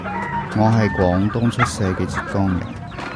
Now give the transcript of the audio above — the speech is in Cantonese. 我係廣東出世嘅浙江人